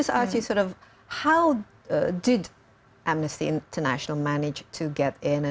biar saya tanya bagaimana amnesty international bisa mencapai kemampuan